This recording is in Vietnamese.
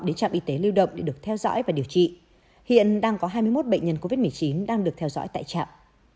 đến trạm y tế lưu động để được theo dõi và điều trị hiện đang có hai mươi một bệnh nhân covid một mươi chín đang được theo dõi tại trạm